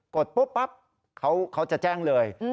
ดปุ๊บปั๊บเขาจะแจ้งเลย